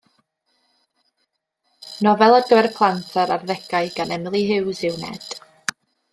Nofel ar gyfer plant a'r arddegau gan Emily Huws yw Ned.